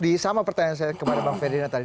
di sama pertanyaan saya kemarin bang ferdinand tadi